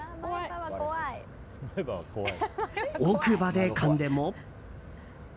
奥歯でかんでも。